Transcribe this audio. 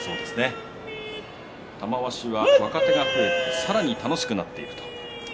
玉鷲は若手がさらに楽しくなっていくと。